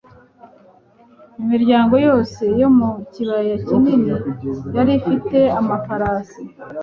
imiryango yose yo mu kibaya kinini yari ifite amafarasi